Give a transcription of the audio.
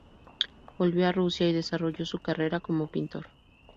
Volvió a Rusia y desarrolló su carrera como pintor.